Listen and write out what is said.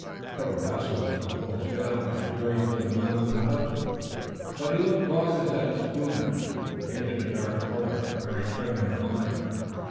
Several vessels under full sail were steering for the mouth of the Hudson, but he looked longest at a schooner, painted a dark color, and very trim in her lines.